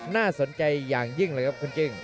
น่าสนใจอย่างยิ่งเลยครับคุณกิ้ง